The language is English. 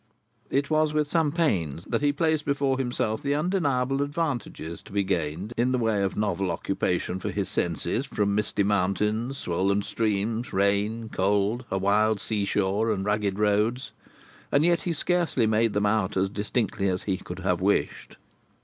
It was with some pains that he placed before himself the undeniable advantages to be gained in the way of novel occupation for his senses from misty mountains, swollen streams, rain, cold, a wild seashore, and rugged roads. And yet he scarcely made them out as distinctly as he could have wished.